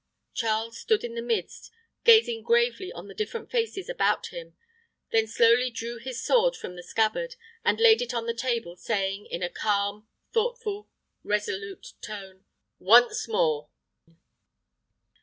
Charles stood in the midst, gazing gravely on the different faces about him, then slowly drew his sword from the scabbard, and laid it on the table, saying, in a calm, thoughtful, resolute tone, "Once more!"